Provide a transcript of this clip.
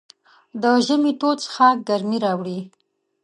د ژمي تود څښاک ګرمۍ راوړي.